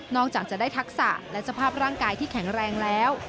จากจะได้ทักษะและสภาพร่างกายที่แข็งแรงแล้ว